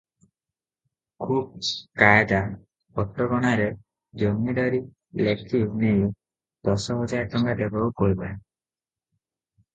ଖୁବ୍ କାଏଦା କଟକଣାରେ ଜମିଦରୀ ଲେଖି ନେଇ ଦଶ ହଜାର ଟଙ୍କା ଦେବାକୁ କହିଲା ।